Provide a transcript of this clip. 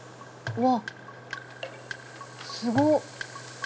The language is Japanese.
うわっすごっ！